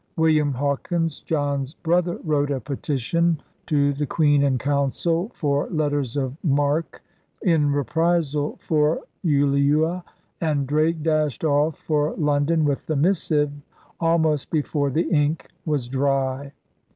William Hawkins, John's brother, wrote a petition to the Queen in Council for letters of marque in reprisal for Ulua, and Drake dashed off for London with the missive almost before the ink was dry.